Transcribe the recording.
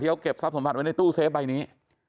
ที่เขาเก็บทรัพย์สมหัสไว้ในตู้เซฟใบนี้